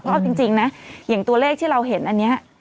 เอาจริงนะอย่างตัวเลขที่เราเห็นอันนี้